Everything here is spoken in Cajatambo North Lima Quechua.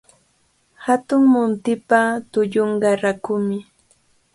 Hatun muntipa tullunqa rakumi.